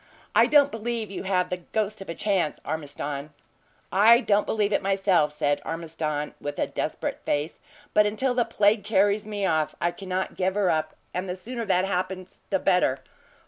I don't believe you have the ghost of a chance, Ormiston." "I don't believe it myself," said Ormiston, with a desperate face "but until the plague carries me off I cannot give her up; and the sooner that happens, the better.